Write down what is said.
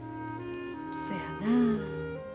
そやなあ。